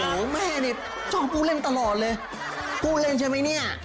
โอ้โหแม่นี่ชอบผู้เล่นตลอดเลยผู้เล่นใช่ไหมเนี่ย